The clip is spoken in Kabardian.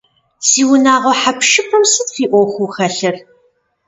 Си унагъуэ хьэпшыпым сыт фи Ӏуэхуу хэлъыр?